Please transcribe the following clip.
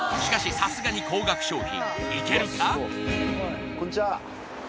さすがに高額商品いけるか！？